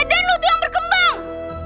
badan lu tuh yang berkembang